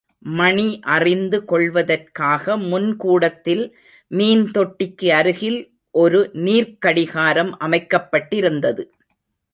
மணி அறிந்து கொள்வதற்காக முன் கூடத்தில் மீன் தொட்டிக்கு அருகில் ஒரு நீர்க்கடிகாரம் அமைக்கப்பட்டிருந்தது.